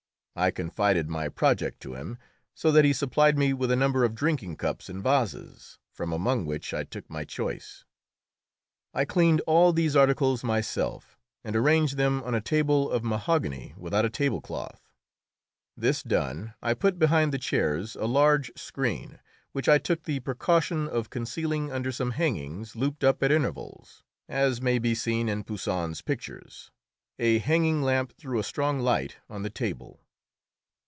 I confided my project to him, so that he supplied me with a number of drinking cups and vases, from among which I took my choice. I cleaned all these articles myself, and arranged them on a table of mahogany without a tablecloth. This done, I put behind the chairs a large screen, which I took the precaution of concealing under some hangings looped up at intervals, as may be seen in Poussin's pictures. A hanging lamp threw a strong light on the table.